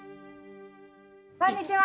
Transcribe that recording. こんにちは！